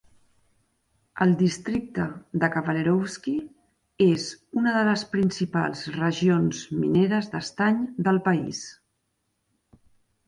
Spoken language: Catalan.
El districte de Kavalerovsky és una de les principals regions mineres d'estany del país.